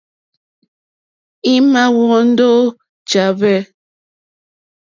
Í má ǃhwóndó ǃjá hwɛ̂.